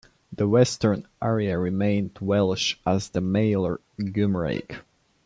The western area remained Welsh as the Maelor Gymraeg.